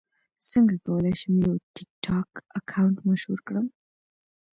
څنګه کولی شم یو ټکټاک اکاونټ مشهور کړم